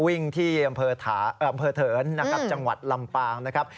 วิ่งที่อำเภอเถินนะครับจังหวัดลำปางนะครับ